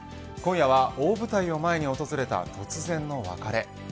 今夜は大舞台を前に訪れた突然の別れ。